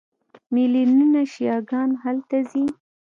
میلیونونه شیعه ګان هلته ځي.